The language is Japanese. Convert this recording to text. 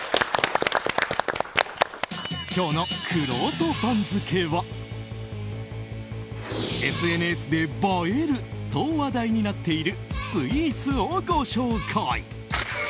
今日のくろうと番付はＳＮＳで映えると話題になっているスイーツをご紹介。